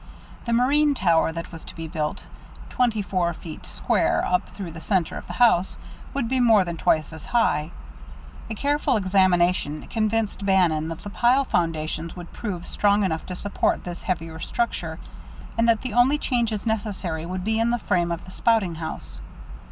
The marine tower that was to be built, twenty four feet square, up through the centre of the house, would be more than twice as high. A careful examination convinced Bannon that the pile foundations would prove strong enough to support this heavier structure, and that the only changes necessary would be in the frame of the spouting house.